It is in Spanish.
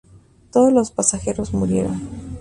Todos los pasajeros murieron.